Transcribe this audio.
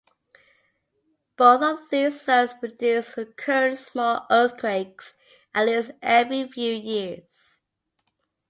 Both of these zones produce recurrent small earthquakes at least every few years.